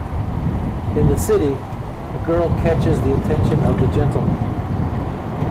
In the city The Girl catches the attention of The Gentleman.